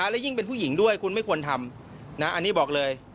และยิ่งเป็นผู้หญิงด้วยคุณไม่ควรทำอันนี้บอกเลย